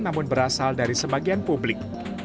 namun berasal dari sebagian publik